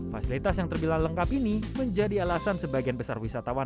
fasilitas yang terbilang lengkap ini menjadi alasan sebagian besar wisatawan